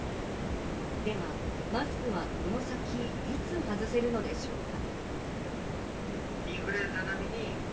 ではマスクはこの先いつ外せるのでしょうか。